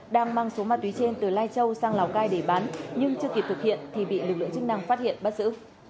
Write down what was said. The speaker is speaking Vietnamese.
đang mang số ma túy trên từ lai châu sang lào cai để bán nhưng chưa kịp thực hiện thì bị lực lượng chức năng phát hiện bắt giữ